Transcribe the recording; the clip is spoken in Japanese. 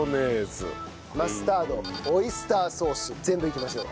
マスタードオイスターソース全部いきましょう。